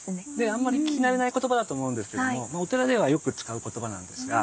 あんまり聞き慣れない言葉だと思うんですけどもまあお寺ではよく使う言葉なんですが。